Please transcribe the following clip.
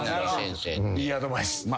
いいアドバイス。